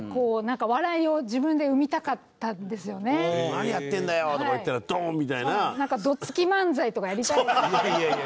「何やってんだよ」とか言ったらドーン！みたいな。